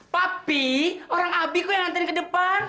papi orang abi kok yang nantain ke depan